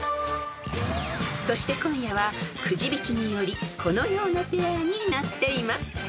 ［そして今夜はくじ引きによりこのようなペアになっています］